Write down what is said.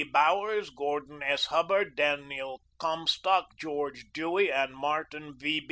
BOWERS, GORDON S. HUBBARD, DANIEL COMSTALK, GEORGE DEWEY and MARTIN V.